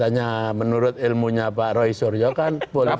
katanya menurut ilmunya pak roy suryo kan